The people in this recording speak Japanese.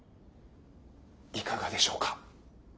いかがでしょうか？